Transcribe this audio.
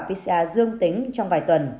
pcr dương tính trong vài tuần